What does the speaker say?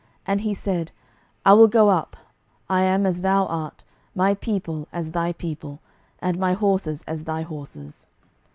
And he said, I will go up: I am as thou art, my people as thy people, and my horses as thy horses.